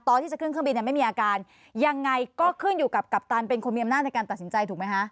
ตอนที่จะขึ้นเครื่องบินเนี่ยไม่มีอาการยังไงก็ขึ้นอยู่กับกัปตันเป็นคนมีอำนาจในการตัดสินใจถูกไหมคะ